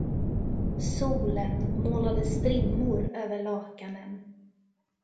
Solen målade strimmor över lakanen.